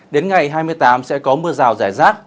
đến ngày hai mươi tám sẽ có mưa rào rải rác